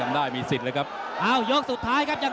ตอนนี้มันถึง๓